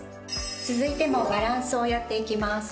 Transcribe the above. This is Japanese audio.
続いてもバランスをやっていきます。